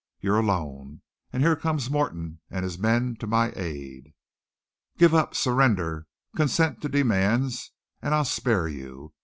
You're alone. And here comes Morton and his men to my aid. "Give up! Surrender! Consent to demands and I'll spare you.